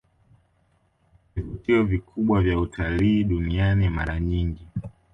vivutio vikubwa vya utalii duniani Mara nyingi